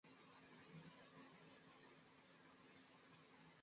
wa kike anayeonekana kuwa na sifa zote za kuvalishwa heshima ya Malkia wa Bongo